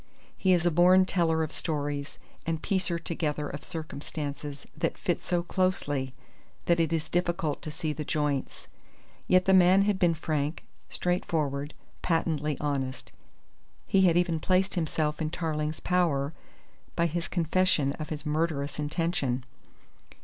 He is a born teller of stories and piecer together of circumstances that fit so closely that it is difficult to see the joints. Yet the man had been frank, straightforward, patently honest. He had even placed himself in Tarling's power by his confession of his murderous intention.